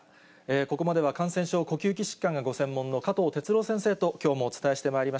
ここまでは感染症、呼吸器疾患がご専門の加藤哲朗先生ときょうもお伝えしてまいりま